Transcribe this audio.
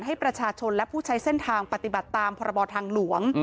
ให้ประชาชนและผู้ใช้เส้นทางปฏิบัติตามพรบทางหลวง